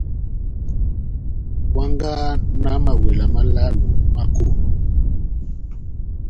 Kwangaha na mawela málálo má kolo.